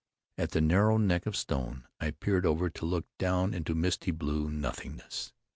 At the narrow neck of stone I peered over to look down into misty blue nothingness.